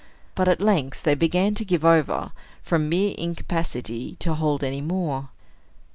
But at length they began to give over, from mere incapacity to hold any more.